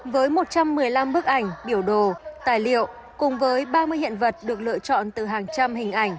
với một trăm một mươi năm bức ảnh biểu đồ tài liệu cùng với ba mươi hiện vật được lựa chọn từ hàng trăm hình ảnh